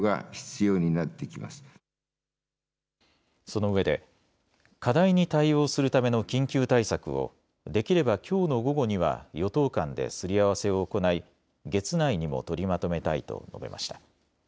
そのうえで課題に対応するための緊急対策をできればきょうの午後には与党間ですり合わせを行い、月内にも取りまとめたいと述べました。